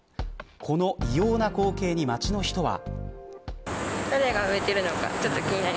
この異様な光景に街の人は。